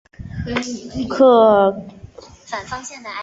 克利尔克里克县是美国科罗拉多州中北部的一个县。